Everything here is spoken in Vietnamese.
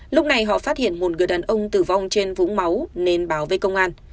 lúc này họ phát hiện một người đàn ông tử vong trên vũ máu nên báo với công an